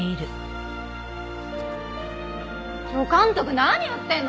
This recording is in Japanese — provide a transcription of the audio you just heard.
助監督何やってんの？